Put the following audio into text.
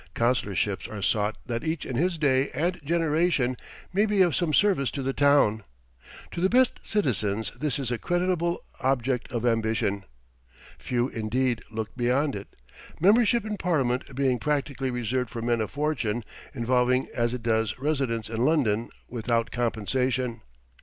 Councilorships are sought that each in his day and generation may be of some service to the town. To the best citizens this is a creditable object of ambition. Few, indeed, look beyond it membership in Parliament being practically reserved for men of fortune, involving as it does residence in London without compensation.